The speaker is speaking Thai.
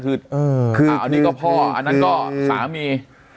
อันนี้ก็พ่ออันนั้นก็สามี